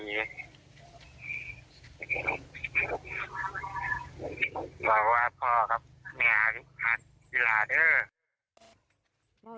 เพราะว่าพ่อกับแม่